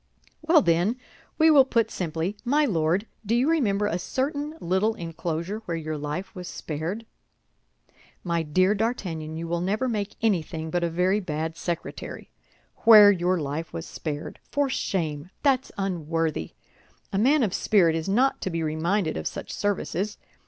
"Well, then, we will put simply, My Lord, do you remember a certain little enclosure where your life was spared?" "My dear D'Artagnan, you will never make anything but a very bad secretary. Where your life was spared! For shame! that's unworthy. A man of spirit is not to be reminded of such services.